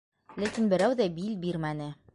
Ләкин берәү ҙә бил бирмәне.